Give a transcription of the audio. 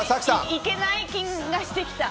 いけない気がしてきた。